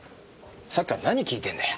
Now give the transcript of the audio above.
さっきから何聞いてんだよ？